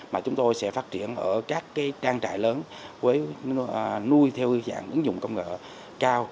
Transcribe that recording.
mà chúng tôi sẽ phát triển ở các trang trại lớn với nuôi theo dạng ứng dụng công nghệ cao